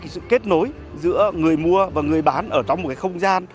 sự kết nối giữa người mua và người bán ở trong một không gian